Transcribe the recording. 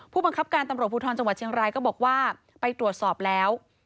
ผู้บังคับการตำรวจภูทรจังหวัดเชียงรายก็บอกว่าไปตรวจสอบแล้ว